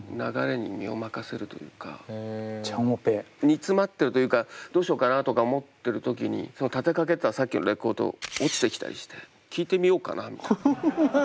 煮詰まってるというかどうしようかなとか思ってる時にその立てかけたさっきのレコード落ちてきたりして聴いてみようかなみたいな。